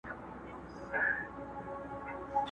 پښتونخوا له درانه خوبه را پاڅیږي!!